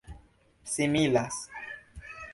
similas